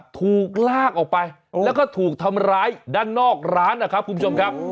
ถูกลากออกไปแล้วก็ถูกทำร้ายด้านนอกร้านนะครับคุณผู้ชมครับ